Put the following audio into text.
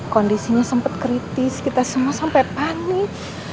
kondisinya sempat kritis kita semua sampai panik